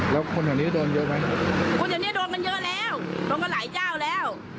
แล้วคนแถวนี้โดนเยอะไหมคนแถวเนี้ยโดนมันเยอะแล้วโดนกันหลายเจ้าแล้ว